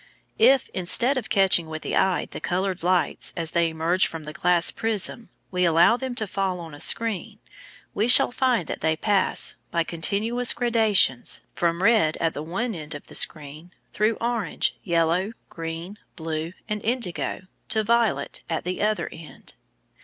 If, instead of catching with the eye the coloured lights as they emerge from the glass prism, we allow them to fall on a screen, we shall find that they pass, by continuous gradations, from red at the one end of the screen, through orange, yellow, green, blue, and indigo, to violet at the other end.